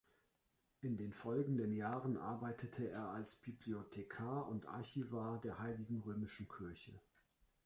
In den folgenden Jahren arbeitete er als Bibliothekar und Archivar der Heiligen Römischen Kirche.